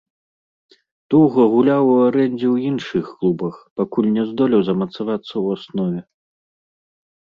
Доўга гуляў у арэндзе ў іншых клубах, пакуль не здолеў замацавацца ў аснове.